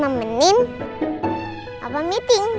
beritahu papa apa meeting